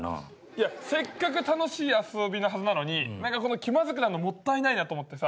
いやせっかく楽しい遊びのはずなのに何かこの気まずくなんのもったいないなと思ってさ